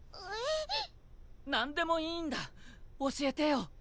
えっ？何でもいいんだ教えてよ！